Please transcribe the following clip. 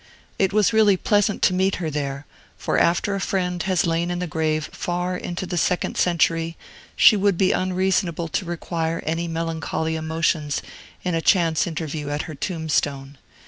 It was really pleasant to meet her there; for after a friend has lain in the grave far into the second century, she would be unreasonable to require any melancholy emotions in a chance interview at her tombstone.